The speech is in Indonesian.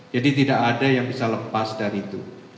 jadi tidak ada yang bisa lepas dari itu